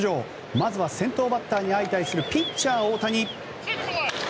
まずは先頭バッターに相対するピッチャー、大谷。